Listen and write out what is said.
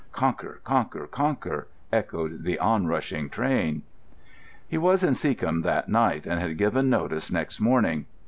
"Conquer—conquer—conquer," echoed the on rushing train. He was in Seacombe that night, and had given notice next morning.